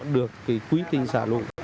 được cái quy tình sả lụ